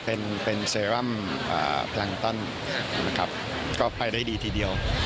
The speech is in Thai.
เป็นเป็นผลังตันนะครับก็ไปได้ดีทีเดียว